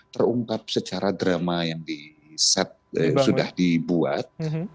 terungkap secara drama yang sudah dibuat